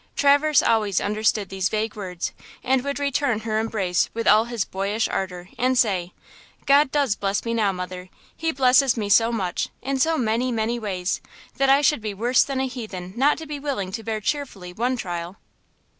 Traverse always understood these vague words and would return her embrace with all his boyish ardor and say: "God does bless me now, mother! He blesses me so much, in so many, many ways, that I should be worse than a heathen not to be willing to bear cheerfully one trial?"